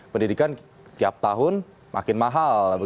pendidikan tiap tahun makin mahal